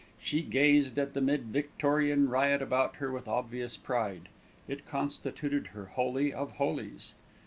She gazed at the mid Victorian riot about her with obvious pride; it constituted her holy of holies.